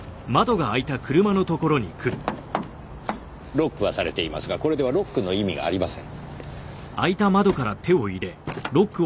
ロックはされていますがこれではロックの意味がありません。